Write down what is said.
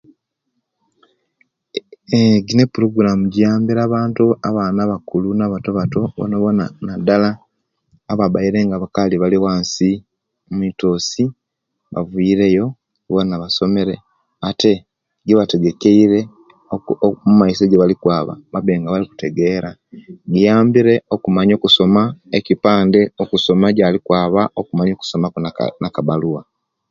Yee gino eporoguram gjiyambire abantu abaana abakula na abatobato bonabona nadala ababaire nga bakaali bali owansi mwitosi bavireyo bona basomere ate gibategekeire oku omaiso ejebalikwaba babbe nga balikutegeera giyambire okumanya okusoma ekipande okusoma ejabalikwaaba okumanya okusomaku naka nakabaluwa